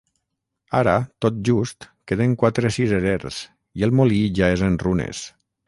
Ara, tot just queden quatre cirerers i el molí ja és en runes.